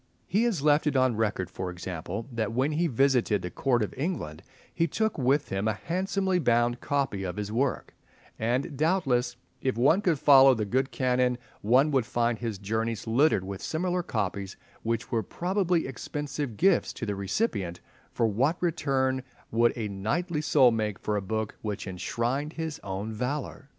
He has left it on record, for example, that when he visited the Court of England he took with him a handsomely bound copy of his work; and, doubtless, if one could follow the good Canon one would find his journeys littered with similar copies which were probably expensive gifts to the recipient, for what return would a knightly soul make for a book which enshrined his own valour?